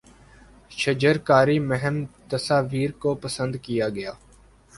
شجرکاری مہم تصاویر کو پسند کیا گیا